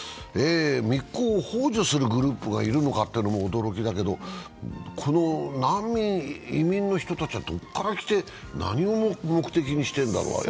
密航をほう助するグループがいるのかというのも驚きだけど、難民、移民の人たちはどこから来て何を目的にしているんだろう？